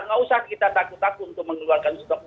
nggak usah kita takut takut untuk mengeluarkan stok